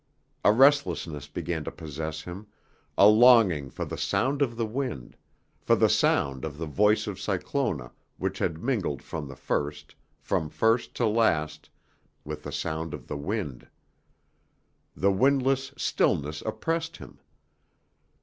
A restlessness began to possess him, a longing for the sound of the wind, for the sound of the voice of Cyclona which had mingled from the first, from first to last, with the sound of the wind. The windless stillness oppressed him.